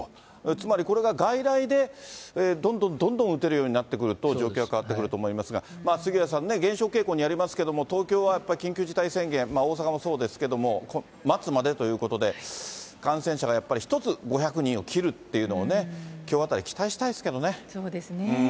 つまりこれが外来でどんどんどんどん病院で打てるようになってくると、状況は変わってくると思いますが、杉上さんね、減少傾向にありますけれども、東京はやっぱり緊急事態宣言、大阪もそうですけども、末までということで、感染者がやっぱり一つ、５００人を切るっていうのをね、きょうあたり期待したいですけどね。